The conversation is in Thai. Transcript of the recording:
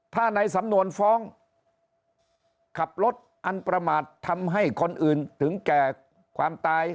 ถ้าในสำนวนฟ้องขับรถอันประมาททำให้คนอื่นถึงแก่ความตาย